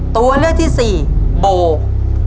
ตัวเลือกที่สี่โบ